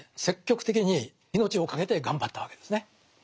積極的に命をかけて頑張ったわけですね。